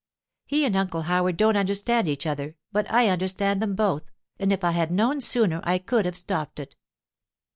He and Uncle Howard don't understand each other, but I understand them both, and if I had known sooner I could have stopped it.